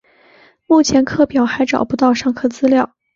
目前课表还找不到上课资料